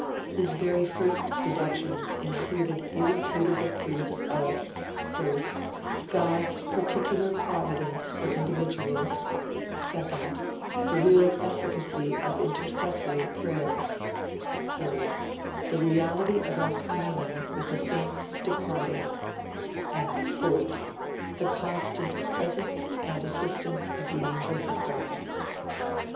His very first deductions included irrefutable proofs of (I) God's particular providence for individuals; (2) the real efficacy of intercessory prayer; (3) the reality of our communion with the saints departed; (4) the constant presence and assistance of the angels of God.